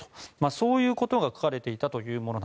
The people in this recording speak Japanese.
そういうことが書かれていたと。